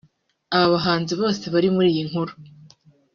Aba bahanzi bose bari muri iyi nkuru